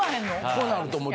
・こうなるともう。